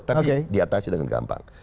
tapi diatasi dengan gampang